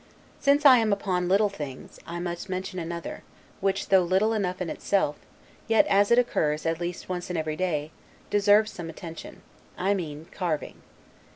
Since I am upon little things, I must mention another, which, though little enough in itself, yet as it occurs at, least once in every day, deserves some attention; I mean Carving.